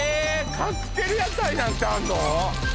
カクテル屋台なんてあるの？